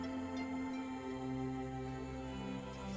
setiap senulun buat